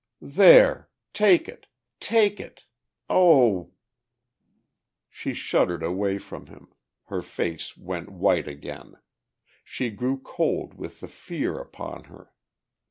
"There! Take it! Take it! Oh...." She shuddered away from him, her face went white again, she grew cold with the fear upon her.